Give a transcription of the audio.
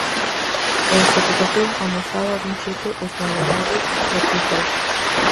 E a preocupación amosábaa dun xeito esmaiolado e túzaro.